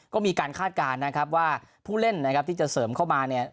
ก็มีการคาดการณ์นะครับว่าผู้เล่นนะครับที่จะเสริมเข้ามาเนี่ย